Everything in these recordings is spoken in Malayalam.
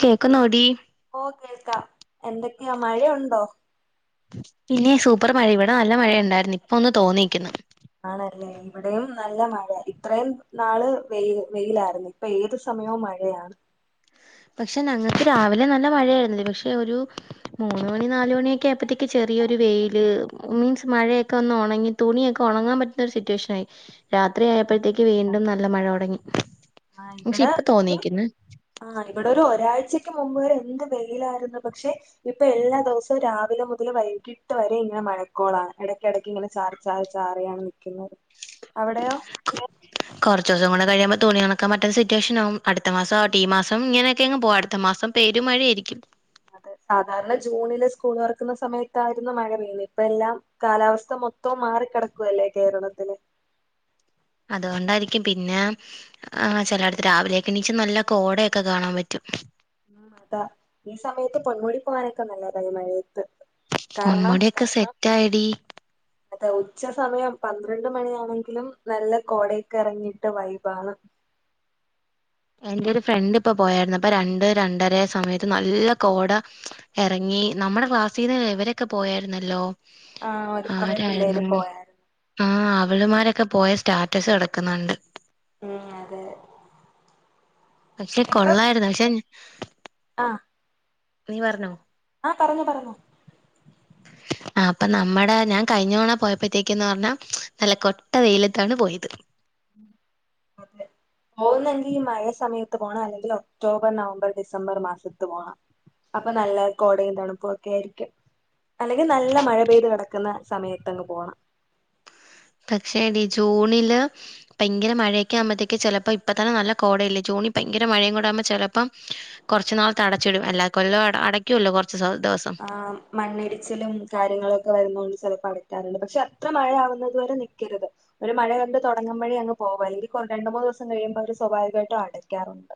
കേക്ക്ന്നോടി ആ കേൾക്ക എന്തക്കെയാ മഴയുണ്ടോ പിന്നെ സൂപ്പർ മഴ ഇവിടെ നല്ല മഴ ഉണ്ടായിരുന്നു ഇപ്പൊ ഒന്ന് തോർന്നിക്കുന്നു ആണല്ലേ ഇവിടെയും നല്ല മഴ ഇത്രയും നാള് വെ വെയിലായിരുന്നു ഇപ്പൊ ഏത് സമയവും മഴയാണ് പക്ഷെ ഞ്ഞങ്ങൾക്ക് രാവിലെ നല്ല മഴയാർന്ന് പക്ഷെ ഒരു മൂന്ന് മണി നാലുമണിയൊക്കെ ആയപ്പോഴത്തേക്ക് ചെറിയോരു വെയിൽ മീൻസ് മഴയൊക്കെ ഒന്ന് ഉണങ്ങി തുണിയോക്കെ ഉണങ്ങാൻ പറ്റുന്ന ഒരു സിറ്റുവേഷൻ ആയി രാത്രി ആയപ്പോഴത്തേക്ക് വീണ്ടും നല്ല മഴ തുടങ്ങി ആ പക്ഷെ ഇവിടെ ഇപ്പ ഒരു തോന്നീക്കുന്ന ആ ഇവിടെ ഒരു ഒരാഴ്ച [unintelligible] മുമ്പ് വരെ എന്ത് വെയിലായിരുന്നു പക്ഷെ ഇപ്പോ എല്ലാ ദിവസവും രാവിലെ മുതല് വൈകിട്ട് വരെ ഇങ്ങനെ മഴക്കോളാണ് ഇടക്കിടക്ക് ഇങ്ങനെ ചാറി ചാറി ചാറിയാണ് നിൽക്കുന്നത് അവിടെയോ കുറച്ച് ദിവസം കൂടെ കഴിയുമ്പോ തുണിഉണക്കാൻ പറ്റാത്തസിറ്റുവേഷൻ ആകും അടുത്ത മാസം ആട്ടെ ഈ മാസം ഇങ്ങനെയൊക്കെങ്ങ് പോവും അടുത്ത മാസം പേരും മഴ ആയിരിക്കും അതെ സാധാരണ ജൂണില് സ്കൂൾ തുറക്കുന്ന സമയത്തായിരുന്നു മഴ പെയ്യന്നെ ഇപ്പ എല്ലാം കാലാവസ്ഥ മോത്തവും മാറിക്കിടക്കുവല്ലേ കേരളത്തില് അതുകോണ്ടായിരിക്കും പിന്നെ ചിലടത്ത് രാവിലെയോക്കെ എണീച്ച് നല്ല കോടയോക്കെ കാണാൻ പറ്റും ഉം അതാ ഈ സമയത്ത് പൊന്മൂടി പോവാനൊക്കെ നല്ലതാ ഈ മഴത് കാരണം പൊന്മുടിയൊക്കെ സെറ്റ് ആയെടി അത് ഉച്ച സമയം രണ്ട് മണിയാണെങ്കിലും നല്ല കോടയൊക്കെ ഇറങ്ങിട്ട് വൈബാണ് എന്റെ ഒരു ഫ്രണ്ട് ഇപ്പോ പോയായിരുന്നു അപ്പൊ രണ്ട് രണ്ടര സമയത്ത് നല്ല കോട ഇറങ്ങി നമ്മുടെ ക്ലാസ്സിൽന്ന് എവരൊക്കെ പോയായിരുന്നല്ലോ ആഹ് ഒരു കൊറേ പിള്ളേര് ആരായിരുന്നു പോയായിരുന്നു ആ അവളുമാരോക്കെ പോയ സ്റ്റാറ്റസ് കെടക്കുന്നുണ്ട് മ്മ് അതെ പക്ഷെ കോള്ളായിരുന്നു പക്ഷെ അ നീ പറഞ്ഞോ ആ പറഞ്ഞു പറഞ്ഞു ആ അപ്പോ നമ്മടെ ഞാൻ കഴിഞ്ഞതവണ പോയപ്പോത്തേക്കന്ന് പറഞ്ഞാ നല്ല കോട്ട വെയിലത്താണ് പോയത് അതെ പോകുന്നെങ്കിൽ ഈ മഴയ സമയത്ത് പോണം അല്ലെങ്കിൽ ഒക്ടോബർ നവംബർ ഡിസംബർ മാസത്ത് പോണം അപ്പോ നല്ല കോടയും തണുപ്പും ഒക്കെ ആയിരിക്കും അല്ലെങ്കിൽ നല്ല മഴ പെയ്ത് കിടക്കുന്ന സമയത്തങ്ങ് പോണം പക്ഷേ ഡി ജൂണിൽ ഭയങ്കര മഴയൊക്കെ ആകുമ്പോഴത്തേക്ക് ചിലപ്പോ ഇപ്പ തന്നെ നല്ല കോടയില്ലേ ജൂണിൽ ഭയങ്കര മഴയും കൂടെ ആകുമ്പോ ചിലപ്പം കുറച്ചുനാളത്ത് അടച്ചിടും അല്ല കൊല്ല അടക്കൂലോ ആ മണ്ണിടിച്ചിലും കാര്യങ്ങളുംഒക്കെ വരുന്നോണ്ട് ചിലപ്പോ അട കറണ്ട് പക്ഷെ അത്ര മഴ ആവുന്നുദ് വരെ നിക്കക്കരുത് ഒരു മഴ കണ്ട് തുടങ്ങുമ്പയെ അങ്ങ് പോവാ എങ്കി രണ്ട് മൂന്ന് ദിവസം കഴിയുമ്പോ അവര് സ്വാഭാവികമായിട്ടും അടക്കാറുണ്ട്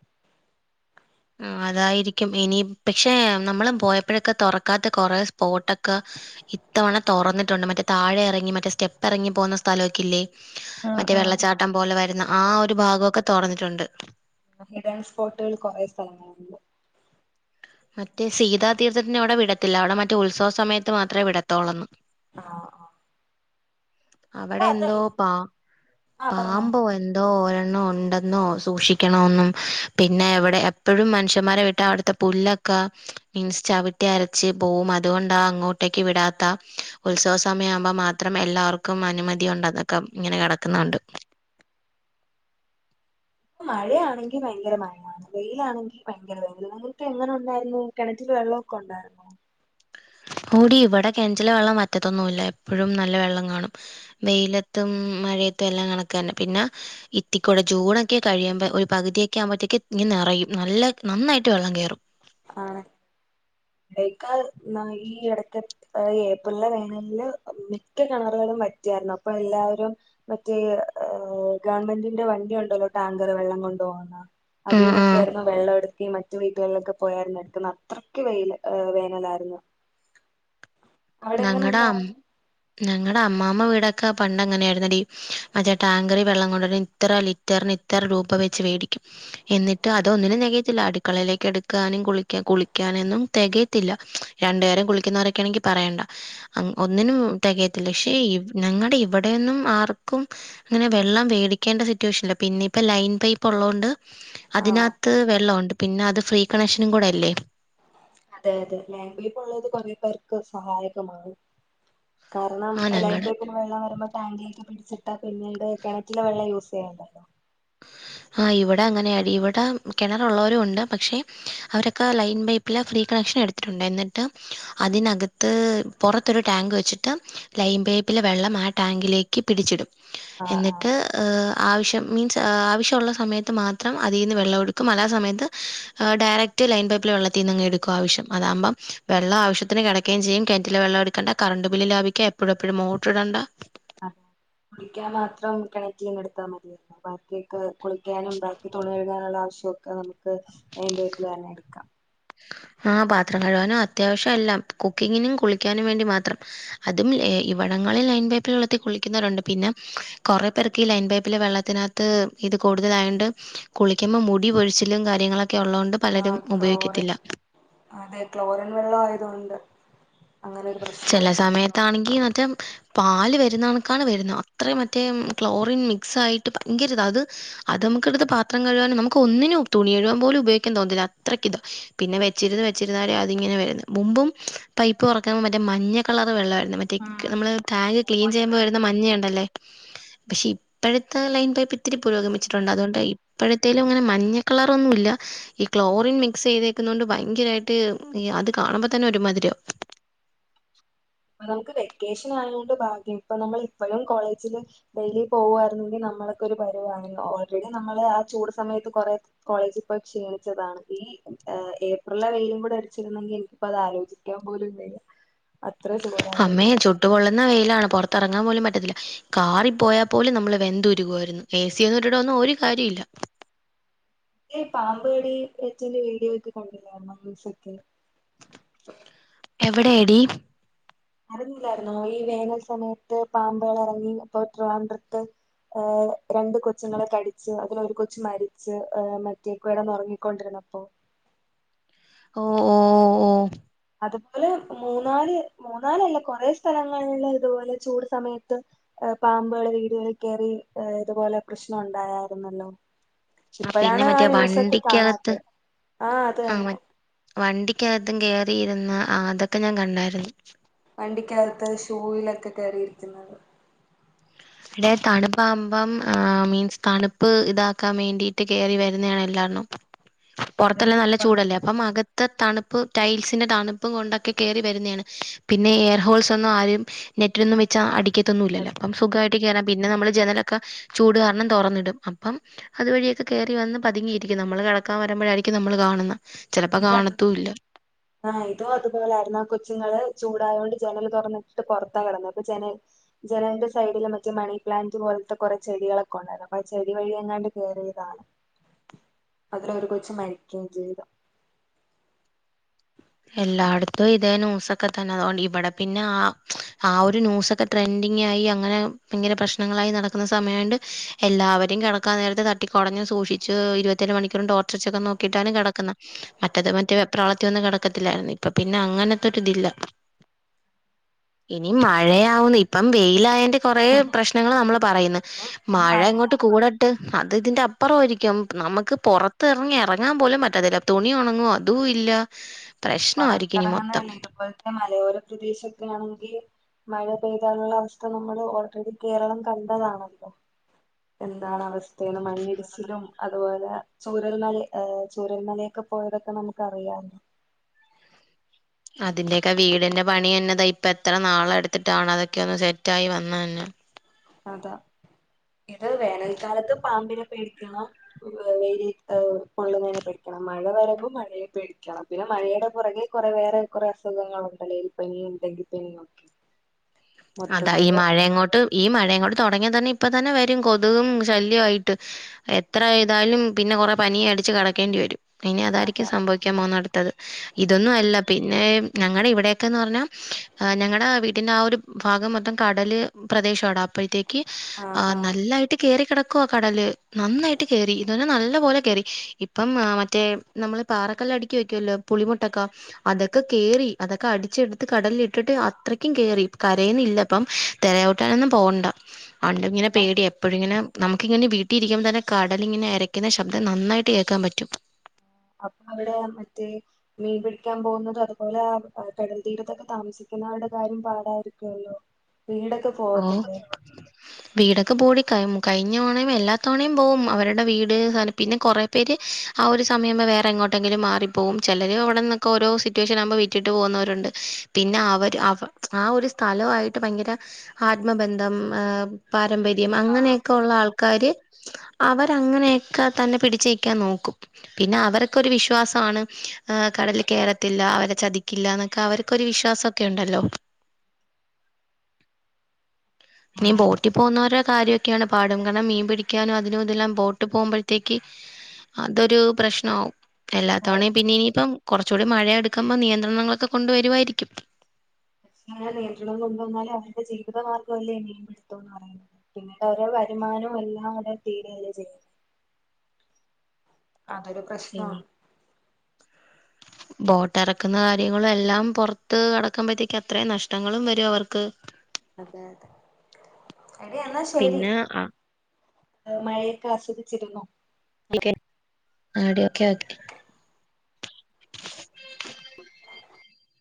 അതായിരിക്കും ഇനി പക്ഷേ നമ്മളും പോയപ്പോഴൊക്കെ തുറക്കാത്ത കോറെ സ്പോട്ടോക്കെ ഇത്തവണ തുറന്നിട്ടുണ്ട് മറ്റേ താഴെ ഇറങ്ങി മറ്റേ സ്റ്റെപ്പ് ഇറങ്ങി പോകുന്ന സ്ഥലമോക്കെ ഇല്ലേ മറ്റ വെള്ളച്ചാട്ടം പോലെ വരുന്ന ആ അതെ ഒരു ഭാഗമൊക്കെ തുറന്നിട്ടുണ്ട് ഹിഡൻ സ്പോട്ടുകൾ കോറെ സ്ഥലങ്ങളുണ്ട് മറ്റെ സീതാതീർത്ഥത്തിന്റെ അവിടെ വിടത്തില്ല അവിടെ മറ്റെ ഉത്സവ സമയത്ത് മാത്രമെ വിടത്തോള്ളുന്ന് ആ അ അവിടെ എന്തോ പാ ആ പറഞ്ഞോ പാമ്പോ എന്തോ [unintelligible] ഉണ്ടെന്നോ സൂക്ഷിക്കണോന്നും പിന്നെ അവിടെ എപ്പഴും മനുഷ്യന്മാരെവിട്ടാ അവിടുത്തെ പുല്ലൊക്കെ മീൻസ് ചവിട്ടി അരച്ച് പോവും അതുകൊണ്ടാ അങ്ങോട്ടേക്ക് വിടാത്ത ഉത്സവസമയമാവുമ്പോ മാത്രം എല്ലാർക്കും ക്കും അനുമതി ഉണ്ടെന്നൊക്കെ ഇങ്ങനെ കിടക്കുന്നകണ്ട് മഴയാണെങ്കി ഭയങ്കര മഴയാണ് വെയിലാണെങ്കി ഭയങ്കര വെയില് നിങ്ങൾക്ക് എങ്ങനെ ഉണ്ടായിരുന്നു കിണറ്റില് വെള്ളമൊക്കെ ഉണ്ടായിരുന്നോ ഓടി ഇവിടെ കിണറ്റിലെ വെള്ളം വറ്റത്തൊന്നുവില്ല എപ്പഴും നല്ലവെള്ളം കാണും വെയിലത്തും മഴയത്തും എല്ലാം കണക്ക് തന്നെ പിന്നെ ഇത്തിക്കൂടെ ജൂണൊക്കെ കഴിയുമ്പോ ഒരു പകുതിയൊക്കെ ആകുമ്പോഴത്തേക്ക് ഇങ്ങു നിറയും നല്ല നന്നായിട്ട് വെള്ളം കയറും ആണ് [inaudible] ന്ന ഈ ഇടത്തെ ഏപ്രലിലെ വേനലിന് മിക്ക കിണറുകളും വറ്റിയായിരുന്നു അപ്പൊ എല്ലാവരും മറ്റേ ഏ ഗവൺമെൻ്റിൻ്റെ വണ്ടിയോണ്ടലോ ടാങ്കറ് വെള്ളം കൊണ്ടുപോകുന്ന ആ ആ അതീനൊക്കെയായിരുന്നു വെള്ളം എടുത്തിമറ്റേ വീട്ടുകളിലൊക്കെ പോയായിരുന്നു എടുക്കുന്ന അത്രക്ക് വെയില് വേനലായിരുന്നു അവിടെ എങ്ങനെയുണ്ടായിരുന്നു ഞങ്ങട അമ്മാമ വീടൊക്കാ പണ്ട് ങ്ങനെർന്നടി മറ്റേ ടക്കറിൽ വെള്ളം കൊണ്ടർലിം ഇത്ര ലിറ്റർന് ഇത്ര രൂപ വെച്ച് വേടിക്കും എന്നിട്ട് അതൊന്നിനും തെകയത്തില്ല അടുക്കളയിലേക്ക് എടുക്കാനും കുളിക്ക്യാ കുളിക്ക്യാ നൊന്നും തെകയത്തില്ല രണ്ടേരം കുളിക്കുന്നോരോക്കെണെങ്കി പറയണ്ട ഹം ഒന്നിനും തെകയത്തില്ല ക്ഷെ ഇ ഞങ്ങടെ ഇവടോന്നും ആർക്കും ങ്ങനെ വെള്ളം മേടിക്കേണ്ട സിറ്റുവേഷൻനില്ല പിന്നെപ്പാ ലൈൻ പൈപ്പ് ഉള്ളൊണ്ട് ആഹ് അതിനത്ത് വെള്ളോണ്ട് പിന്നെ അത് ഫ്രീ കണക്ഷനും കൂടെ അല്ലേ അതെ അതെ ലൈം പൈപ്പ്ള്ളത് കുറെേ പേർക്ക് സഹായകമാണ് കാരണം ആ ലൈൻ ഞങ്ങളുടെ പൈപ്പിന് വെള്ളം വരുമ്പോ ട്ടാങ്കിക്കെ പി- ചിട്ടാ പിന്നീട് കിണറ്റിലെ വെള്ളം യൂസ് ചെയ്യണ്ടല്ലോ ആ ഇവിടെ അങ്ങനെയാടി ഇവിടെ കിണറുള്ളവരും ഉണ്ട് പക്ഷെ അവരൊക്കെ ലൈൻ പൈപ്പിലെ ഫ്രീ കണക്ഷൻ എടുത്തിട്ടുണ്ട് എന്നിട്ട് അതിനകത്ത് പുറത്തൊരു ടാങ്ക് വെച്ചിട്ട് ലൈൻ പൈപ്പിലെ വെള്ളം ആ ടാങ്കിലേക്ക് പിടിച്ചിടും ആഹ് ആഹ് എന്നിട്ട് ഹ് ഹ ആവശ്യം മീൻസ് ആവിശ്യം തൊള്ള സയത്ത് മാത്രം അതിന്ന് വെള്ളംടുക്കും അല സമയത്ത് ഹ ഡയറക്റ്റ് ലൈൻ പൈപ്പില് വെള്ളത്തി ന്നങ്ങ് എടുക്കും ആവശം അതാഭം വെള്ളം ആവശ്യത്തിന് കെടകയും ചെയ്യും കെറ്റിലേ വെള്ളടുക്കണ്ട കറണ്ട് ബില്ല് ലാഭിക്ക എപ്പോഴും എപ്പോഴും മോട്ടർടണ്ട അ കുടിക്കാൻ മാത്രം കണക്ട് യ്തെടുത്താൽ മതിയല്ലോ ബാക്കിയൊക്ക് കുളിക്ക്യാനും ബാക്കി തുണി ക ഴുകാനുള്ള ആവശ്യം നമുക്ക് നയിന്റെട്ടിൽവേന്നെ എടുക്കാം ആ പാത്രം കഴുകാനും അത്യാവശ്യം എല്ലാം കുക്കിങ്ങിനും കുളിക്കാനും വേണ്ടി മാത്രം അതുംലെ ഇവിടങ്ങളിൽ ലൈൻ പൈപ്പിൽ വെള്ളത്തിൽ കുളിക്കുന്നരുണ്ട് പിന്നെ കൊറെ പേർക്ക് ഈ ലൈൻ പൈപ്പിലെ വെള്ളത്തിനകത്ത് ഇത് കൂടുതലായണ്ട് കുളിക്യുംഭം മുടി പൊഴിച്ചിലും കാര്യങ്ങളൊ ക്കെ ഉള്ളൊണ്ട് ആ പലരും ഉപയ്കും ക്ലോറിൻ അതെ ക്ലോറിൻ വെള്ളആയതൊണ്ട് ചെല സമയത്താണെങ്കി- റ്റം പാല് വരുന്നണക്കാണ് വരുന്ന അത്രയും മറ്റേ ക്ലോറിൻ മിക്സ് ആയിട്ട് ഭയങ്കര ഇത അത് അത് നമുക്കെടുത്ത പാത്രം കഴുകാനും നമുക്ക് ഒന്നിനും തുണി കഴുകാൻ പോലും ഉപയോഗിക്കൻ തോൻതില്ല അത്രയ്ക്ക ഇതോ പിന്നെ വെച്ചിരുത് വെച്ചിരുന്നരെ അതിങ്ങനെ വരുന്ന മുമ്പും പൈപ്പ് മറ്റേ മഞ്ഞ കളറ് വെള്ളാ മറ്റേ ഉം ക്ക് നമ്മള് ടാങ്ക് ക്ലീൻ ഓരങ്ങള് ചെയ്യുമ്പോവരുന്ന മഞ്ഞ ഉണ്ടല്ലേ പക്ഷെ ഇപ്പോഴത്തെ ലൈൻ പൈപ്പ് ത്തിരി പുരോഗമിച്ചിട്ടുണ്ട് അതുകൊണ്ട് ഇപ്പോഴത്തേലും ങ്ങനെ മഞ്ഞ കളറോന്നുല്ല ഈ ക്ലോറിൻ മിക്സയ്തേക്കുന്നൊണ്ട് ഭയങ്കരമയിട്ട് അത് കാണുമ്പോ തന്നെ ഒരുമാതിരിയാകും അ നമുക്ക് വെക്കേശനായോണ്ട് ഭാഗ്യം ഇപ്പ നമ്മള് ഇപ്പഴും കോളേജില് ഡെയിലി പോവാരുന്നു ങ്കി നമ്മളൊക്കൊരു ഒരു പരുവായ്ന്നു ഓൾറെഡി നമ്മള് ആ ചൂട് സമയത്ത് കൊറെ കോളേജിൽപ്പോയി ക്ഷീണിച്ചതാണ് ഈ ഹ് ഏപ്രിലിലെ വെയിലും കൂടെ അടിച്ചിരുന്നെങ്കിൽ എൻക്പ്പോ അത് ആലോചിക്കാൻ പോലുംവയ്യ അമ്മേ ചുട്ടപൊള്ളുന്ന വെയിലാണ് പൊറാ കറങ്ങാൻ പോലും പറ്റത്തില്ല കാറി പോയാൽ പോലും നമ്മള് വെന്തുരുകുവാരുന്നു ഏസിയോന്നും ഈട്ട്ട്ടൊന്നും ഒരു കാര്യല്ല ഈ പാമ്പടി വേറ്റന്റെ വീഡിയോക്ക കണ്ടില്ല മല്ലുസ്സ്ക്ക് എവിടെയടി അറിഞ്ഞില്ലാരുന്നോ ഈ വേനൽ സമയത്ത് പമ്പുകൾ ഇറങ്ങി അപ്പൊ ട്രിവാണ്ട്രത്ത് ഏ രണ്ട് കൊച്ചുങ്ങളെ കടിച്ചു അതിലൊ ഒരു കൊച്ചു മരിച്ച് മറ്റേ കേടാന്നുറങ്ങിക്കൊണ്ടിന്നപ്പോ ഓ ഓ ഓ അതുപോലെ മൂന്നാല് മൂന്നാലല്ല കൊറേ സ്ഥലങ്ങളില് ഇതുപോലെ ചൂട് സമയത്ത് പാമ്പുകൾ വീടുകളിൽ കേയറി ഇതുപോലെ പ്രശ്നം ഉണ്ടായായിരുന്നല്ലോ ആ പിന്നെ ഇപ്പാഴാണ് ആ മറ്റേ ന്യൂസൊക്കെ വണ്ടിക്കകത്ത് കാണാത്തെ ആ അത് തന്നെ വണ്ടിക്കകത്തും കേറിയിരുന്ന അതൊക്കെ ഞാൻ കണ്ടായിരുന്നു വണ്ടിക്കകത്ത് ഷൂവിലൊക്കെ കയറിയിരിക്കുന്നത് ഇടെ തണുപ്പാവുമ്പം ആ മീൻസ് തണുപ്പ് ഇതാക്കാൻ വേണ്ടിയിട്ട് കയറി വരുന്നതാണ് എല്ലാണ്ണേം അതെ പുറത്തല്ലാം നല്ല ചൂടല്ലേ പുറത്തൊക്കെ അപ്പം ചൂടാണ്. അകത് ത തണുപ്പ് ടൈൽസിന്റെ തണുപ്പും കൊണ്ടൊക്കെ കേറി വരുന്നയാണ് പിന്നെ എയർ ഹോൾസ് ഒന്നും ആരും നെറ്റിലൊന്നും വെച്ച അടിക്കത് ത്ത് ന്നുല്ലല്ലോ അയിട്ട് കയറാം പിന്നെ നമ്മൾ ജനലൊക്കെ ചൂട് കാരണം തുറന്നിടും അപ്പം അതുവഴിയൊക്കെ കയറി വന്ന് പതുങ്ങിയിരിക്കും നമ്മള് കെടക്കാൻ വരുമ്പോഴായിരിക്കും നമ്മൾ കാണുന്ന ഇതത് ആ ഇതും അതുപോലായിരുന്നാ കൊച്ചുങ്ങള് ചൂടായോണ്ട് ജനൽ തുറന്നിട്ട് പുറത്ത കിടന്നെ അപ്പൊ ജനൽ ജനലിന്റെ സൈഡില് മറ്റേ മണിപ്ലാന്റ് പോലത്തെ കൊറെ ചെടികളൊക്കെ ഒണ്ടായിരുന്നു അപ്പ ആ ചെടി വഴി എങ്ങാണ്ട് കയറിയതാണ് അത്ര ഒരു കൊച്ച് മരിക്കുകയും ചെയ്ത് എല്ലാടത്തും ഇതേ ന്യൂസൊക്കെ തന്നെ അതുകൊണ്ട് ഇവിടെ പിന്നെ ആ ആ ഒരു ന്യൂസൊക്കെ ട്രെൻഡിങ് ആയി അങ്ങനെ പിന്നിലെ പ്രശ്നങ്ങളായി നടക്കുന്ന സമയണ്ട് എല്ലാവരെയും കെടക്കാൻ നേരത് തട്ടിക്കൊടഞ്ഞു സൂക്ഷിച്ചു ഇരുപത്തേര മണിക്കൂറും ടോർച്ചർച്ചൊക്കെ നോക്കിട്ടാണ് കിടക്കുന്ന മറ്റേത് മറ്റേ വെപ്രാളത്തി വന്ന് കിടക് ക്കത്തില്ലായിരുന്നു ഇപ്പൊ പിന്നെ അങ്ങനത്തൊരി ഇതില്ല ഇനി മഴയാവുന്നു ഇപ്പം വെയിൽ ആയെന്റെ കൊറേ പ്രശ്നങ്ങൾ നമ്മള് പറയുന്നു ഇനി മഴ മഴയാ ഇങ്ങോട്ട് കൂടട്ട് അത് ഇതിന്റെ അപ്പുറാരിക്കും നമുക്ക് പുറത്ത് ഇറങ്ങി എറങ്ങാൻ പോലും പറ്റാത്തില്ല തുണി ഉണങ്ങുവ അതും ഇല്ല പ്രശ്നമായിരിക്കും ഇനി മൊത്തം പുറത്തിറങ്ങുന്നതല്ലേ ഇതുപോൽത്തെ മലയോര പ്രദേശൊക്കെ ആണെങ്കിൽ മഴ പെയ്താനുള്ള അവസ്ഥ നമ്മള് ഓൾറെഡി കേരളം കണ്ടതാണല്ലോ എന്താണ് അവസ്ഥ തേണ് മഞ്ഞിടിച്ചിലും അ അതുപോലെ ചൂരൽമല ഏ ചൂരൽമലയൊക്കെ പോയതൊക്കെ നമുക്ക് അറിയാല്ലോ അതിന്റെക്കെ വീടന്ന പണി തന്നെത ഇപ്പ എത്ര നാള എടുത്തിട്ടാണ് അതൊക്കെ ഒന്ന് സെറ്റായി വന്നന്നെ അതാ ഇത് വേനൽക്കാലത്ത് പാമ്പിനെ പേടിക്കണം വെ വെയില് എ പൊള്ളുന്നതിനെ പേടിക്കണം മഴ വരുമ്പോൾ മഴയെ പേടിക്കണം പിന്നെ മഴയുടെ പുറകെ കുറെ വേറെ കുറെ അസുഖങ്ങളുണ്ടല്ലൊ എലിപ്പനിയും ടെങ്കിപ്പനിയും അതാ ഈ മഴയ അങ്ങോട്ട് ഈ മഴ അങ്ങോട്ട് തുടങ്ങിയ തന്നെ ഇപ്പ തന്നെ വരും കൊതുകും ശല്യയിട്ട് എത്ര തായാലും പിന്നെ കൊറെ പനിയ അടിച്ച് കെടക്കേണ്ടി വരും ഇനി അതായിരിക്കും അതാ സംഭവിക്കാൻ പോന്ന അടുത്തത് ഇതൊന്നും അല്ല പിന്നെ ഞങ്ങളുടെ ഇവിടെക്കെന്ന് പറഞ്ഞാ അ ഞങ്ങടെ വീട്ടിന്റെ ആ ഒരു ഭാഗം മൊത്തം കടല് പ്രദേശവട അപ്പോഴത്തേക്ക് ആഹ് അ ആഹ് നല്ലായിട്ട് കേറി കിടക് ക്ക കടല് നന്നായിട്ട് കേറി ഇതുന്നെ നല്ലപോലെ കേറി ഇപ്പം മറ്റേ നമ്മള് പാറക്കല്ല അടിക്കി വയ്ക്കുവല്ലോ പുളിമുട്ടക്ക അതൊക്കെ കേറി അതൊക്കെ അടിച്ചെടുത്ത് കടല ഇട്ടിട്ട് അത്രക്കും കേറി കരയന്ന ഇല്ലപ്പം തിരയോട്ടാനൊന്നും പോകണ്ട ഒണ്ട് ഇങ്ങനെ പേടിയ എപ്പോഴും ഇങ്ങനെ നമുക്കിങ്ങനെ വീട്ടി ഇരിക്കുമ്പ തന്നെ കടലിങ്ങനെ എരക്കുന്ന ശബ്ദം നന്നായിട്ട് കേക്കാൻ പറ്റും അപ്പൊ അവിടെ മറ്റേ മീൻ പിടിക്കാൻ പോകുന്നത അതുപോലെ കടൽ തീരത്തൊക്കെ താമസിക്കുന്ന അരുടെ കാര്യം പാടായിരിക്കുവല്ലോ വീടൊക്കെ ഓഹ് പോവത്തില്ലെ വീടൊക്കെ പൂട്ടി കഴിം കഴിഞ്ഞവണം എല്ലാത്തവണയും പോവും അവരുടെ വീട് പിന്നെ കൊറെ പേര് ആ ഒരു സമയമ്പോ വേറെ എങ്ങോട്ടെങ്കിലും മാറി പോവും ചിലര് അവിടെന്നൊക്കെ ഓരോ സിറ്റുവേഷൻ ആകുമ്പോൾ വിറ്റിട്ട് പോകുന്നവരുണ്ട് പിന്നെ അവര് അവ് ആ ഒരു സ്ഥലമായിട്ട് ഭയങ്കര ആത്മബന്ധം ഏ പാരമ്പര്യ [unintelligible] ആഹ് അങ്ങനെയൊക്കെ ഉള്ള ആൾക്കാാര് അവരങ്ങനെയൊക്കെ തന്നെ പിടിച്ചിക്കാൻ നോക്കും പിന്നെ അവർക്ക്‌ ഒരു വിശ്വാസമാണ് ഏ കടല് കേറത്തില്ല അവരെ ചതിക്കില്ല എന്നൊക്കെ അവർക്കൊരു വിശ്വാസൊക്കെ ഉണ്ടല്ലോ നീ ബോട്ടിൽ പോകുന്നവരോ കാര്യൊക്കെയാണ് പാടും കാരണം മീൻ പിടിക്കാനും അതിനും ഇതെല്ലാം ബോട്ട് പോകുമ്പോഴത്തേക്ക് അതൊരു പ്രശ്നമാവും ആഹ് എല്ലാത്തവണയും പിന്നെ ഇനിയിപ്പം കൊറച്ചൂടി മഴ അടുക്കുമ്പോ നിയന്ത്രണങ്ങളൊക്കെ കൊണ്ടുവരുവായിരിക്കും അങ്ങനെ നിയന്ത്രണം കൊണ്ടുവന്നാല് അവരുടെ ജീവിതമാർഗം അല്ലേ മീൻപി ടുത്തംന്ന് പറയുന്നത് പിന്നീട് ഓരോ വരുമാനും എല്ലാം അവിടെ തീരേ [unintelligible] അതൊരു പ്രശ്നമാണ് ഇനി ബോട്ട് എറക്കുന്ന കാര്യങ്ങളും എല്ലാം പൊർത്ത് കടക്കമ്പഴത്തേക്ക് അത്ര നഷ്ടങ്ങളും വരും അവർക്ക് അതെ അതെ എടീ എന്നാ ശരി പിന്നെ മഴയൊക്കെ ആസ്വദിച്ചിരുന്നോ [unintelligible] ആടി ഒക്കെ ഓക്കെ